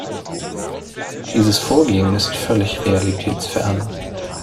Dieses Vorgehen ist völlig realitätsfern.